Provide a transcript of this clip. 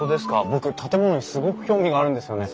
僕建物にすごく興味があるんですよね。